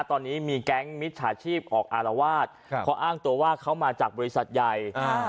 ตอนนี้มีแก๊งมิตรศาสตร์ชีพออกอารวาสครับเพราะอ้างตัวว่าเข้ามาจากบริษัทใหญ่